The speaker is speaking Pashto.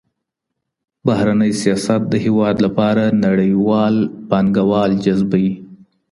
بهرنی سیاست د هیواد لپاره نړیوال پانګه وال جذبوي.